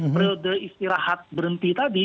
periode istirahat berhenti tadi